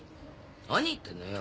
何言ってんのよ！？